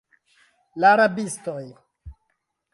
La rabistoj.